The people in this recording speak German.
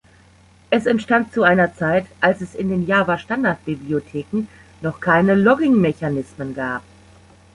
Es entstand zu einer Zeit, als es in den Java-Standardbibliotheken noch keine Logging-Mechanismen gab.